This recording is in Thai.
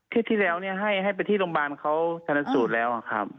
ที่ที่แล้วเนี่ยให้ให้ไปที่โรงพยาบาลเขาทานสูตรแล้วอะครับ